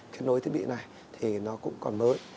kết nối thiết bị này thì nó cũng còn mới